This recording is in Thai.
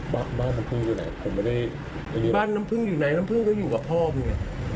บ้านน้ำผึ้งอยู่ไหนบ้านน้ำผึ้งอยู่ไหนน้ำผึ้งก็อยู่กับพ่อมันเนี่ย